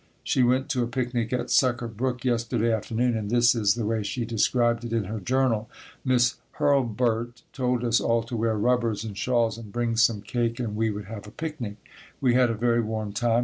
She went to a picnic at Sucker Brook yesterday afternoon, and this is the way she described it in her journal. "Miss Hurlburt told us all to wear rubbers and shawls and bring some cake and we would have a picnic. We had a very warm time.